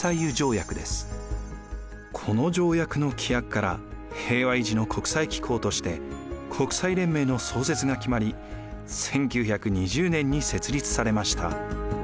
この条約の規約から平和維持の国際機構として国際連盟の創設が決まり１９２０年に設立されました。